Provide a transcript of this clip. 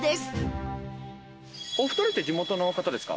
お二人って地元の方ですか？